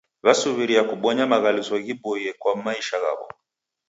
W'asuw'iria kubonya maghaluso ghiboie kwa maisha ghaw'o.